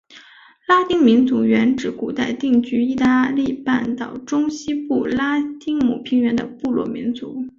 拉丁民族原指古代定居义大利半岛中西部拉丁姆平原的部落民族。